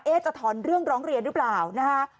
จะถอนเรื่องร้องเรียนหรือเปล่านะคะ